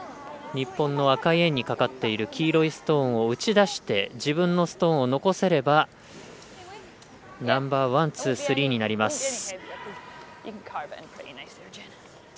日本の赤い円にかかっている黄色いストーンを押し出して自分のストーンを残せればナンバーワン、ツー、スリーになります。